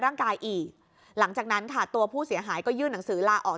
ร่างกายอีกหลังจากนั้นค่ะตัวผู้เสียหายก็ยื่นหนังสือลาออก